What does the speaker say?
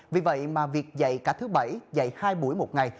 vì vậy mà việc dạy cả thứ bảy dạy hai buổi một ngày